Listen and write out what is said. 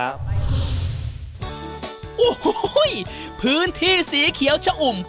โอ้โหพื้นที่สีเขียวชะอุ่ม